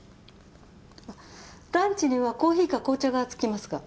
ランチにはコーヒーか紅茶が付きますが？